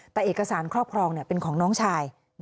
แต่เอกสารครอบครองเป็นของน้องชาย